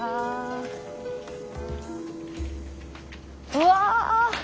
うわ！